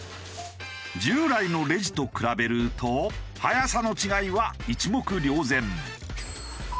従来のレジと比べると早さの違いは一目瞭然。